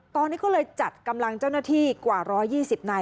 ตอนนี้ก็เลยจัดกำลังเจ้าหน้าที่กว่า๑๒๐นาย